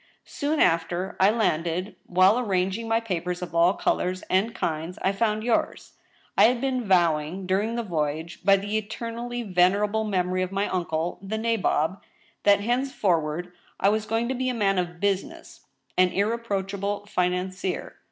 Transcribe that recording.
" Soon after I landed, while arranging my papers of all colors and kinds, I found yours. I had been vowing, during the voyage, by the eternally venerable memory of my uncle, the nabob, that henceforward I was going to be a man of business, an irreproach able financier.